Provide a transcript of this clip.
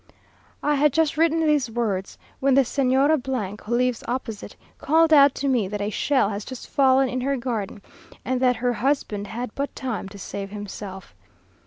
I had just written these words, when the Señora , who lives opposite, called out to me that a shell has just fallen in her garden, and that her husband had but time to save himself.